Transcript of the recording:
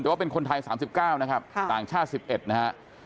แต่ว่าเป็นคนไทย๓๙นะครับต่างชาติ๑๑นะฮะ